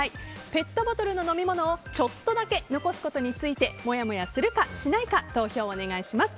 ペットボトルの飲み物をちょっとだけ残すことについてもやもやするか、しないか投票お願いします。